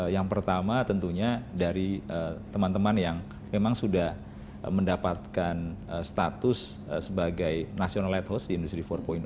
yang pertama tentunya dari teman teman yang memang sudah mendapatkan status sebagai national at house di industri empat